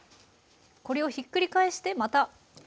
これをひっくり返してまた。